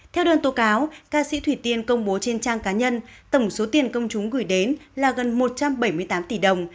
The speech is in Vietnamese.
theo đơn tố cáo ca sĩ thủy tiên công bố trên trang cá nhân tổng số tiền công chúng gửi đến là gần một trăm bảy mươi tám tỷ đồng